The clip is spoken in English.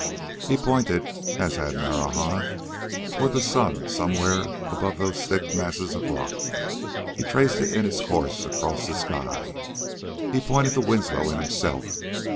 He pointed, as had Marahna, toward the sun somewhere above those thick masses of rock; he traced it in its course across the sky; he pointed to Winslow and himself.